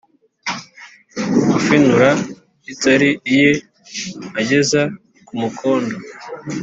Ufinura itari iye ageza ku mukondo.